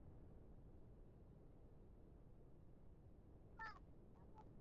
আমরা পরিমাণটা গুনতে পারি না, কারণ তিনি এখনো সেখানকার প্রেসিডেন্টের পদে আছেন।